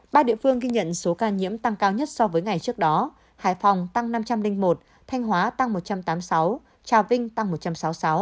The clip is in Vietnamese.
ba địa phương ghi nhận số ca nhiễm giảm nhiều nhất so với ngày trước đó hưng yên giảm ba trăm linh một đắk lắc giảm hai trăm ba mươi hai bến tre giảm hai trăm ba mươi hai bến tre giảm một trăm ba mươi một cao bình giảm một trăm sáu mươi sáu